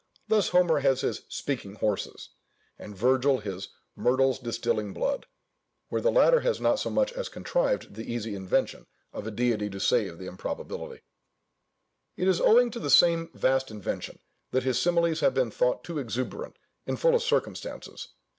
Thus Homer has his "speaking horses;" and Virgil his "myrtles distilling blood;" where the latter has not so much as contrived the easy intervention of a deity to save the probability. It is owing to the same vast invention, that his similes have been thought too exuberant and full of circumstances.